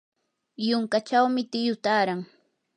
yunkachawmi tiyu taaran.